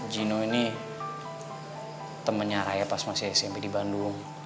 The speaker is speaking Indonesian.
gino ini temannya raya pas masih smp di bandung